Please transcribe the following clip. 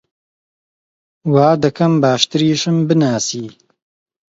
وا دەکەم باشتریشم بناسی!